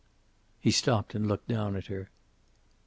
He stopped and looked down at her.